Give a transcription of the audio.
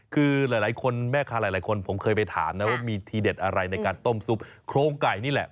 คือหลายคนแม่ค้าหลายคนผมเคยไปถามนะว่ามีทีเด็ดอะไรในการต้มซุปโครงไก่นี่แหละ